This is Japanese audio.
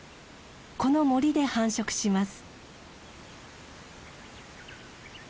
この森で繁殖します。